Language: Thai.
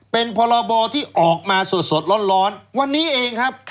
เป็นพรบที่ออกมาสดร้อนวันนี้เองครับ